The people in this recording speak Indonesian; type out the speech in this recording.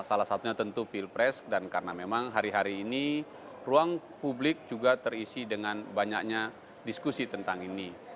salah satunya tentu pilpres dan karena memang hari hari ini ruang publik juga terisi dengan banyaknya diskusi tentang ini